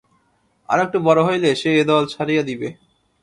আর একটু বড় হইলে সে এ-দল ছাড়িয়া দিবে।